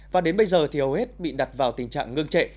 và đến bây giờ thì hầu hết bị đặt vào tình trạng ngưng trệ